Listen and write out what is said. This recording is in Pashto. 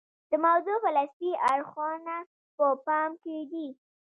د موضوع فلسفي اړخونه په پام کې دي.